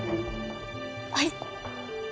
はい。